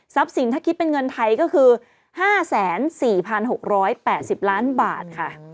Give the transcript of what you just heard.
สินถ้าคิดเป็นเงินไทยก็คือ๕๔๖๘๐ล้านบาทค่ะ